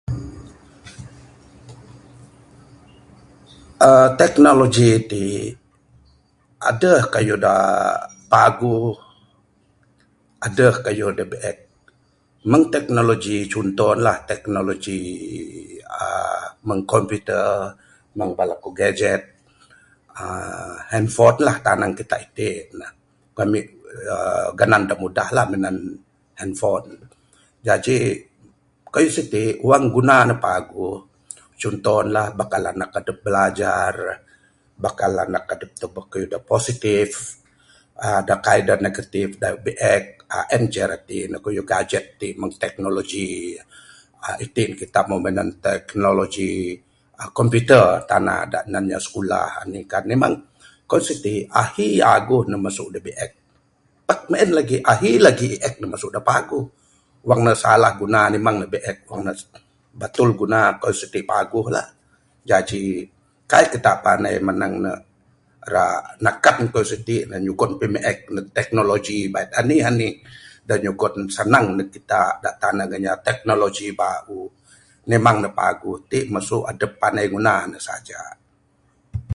uhh teknologi ti adeh kayuh da paguh adeh kayuh da biek, meng teknologi chunto ne lah teknologi uhh meng computer meng bala ko gadget uhh handphone lah tanang kita itin ne ku mit uhh ganan da mudah lah handphone. Jaji kayuh siti wang guna ne paguh chunto ne lah, bakal anak adep bilajar, bakal bala anak adep tebek kayuh da positive uhh da kaik da negative da biek uhh en ceh rati ne kayuh gadget ti meng teknologi uhh itin kita meh minan teknologi uhh computer, tana da inya skulah kah nimang kayuh siti ahi aguh ne masu da biek. Pak meng en lagi, ahi lagi ek ne masu da paguh wang ne salah guna nimang ne biek. Wang ne batul guna kayuh siti, paguh lah. Jaji, kaik kita panai manang ne ra nakat kayuh siti nan nyugon pimiek neg teknologi bait anih-anih da nyugon sanang neg kita da tanang inya teknologi bauh nimang ne paguh, ti masu adep panai nguna ne saja.